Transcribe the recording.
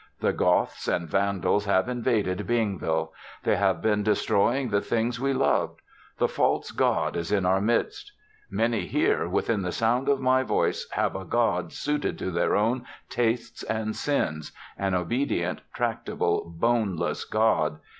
The Goths and Vandals have invaded Bingville. They have been destroying the things we loved. The false god is in our midst. Many here, within the sound of my voice, have a god suited to their own tastes and sins an obedient, tractable, boneless god.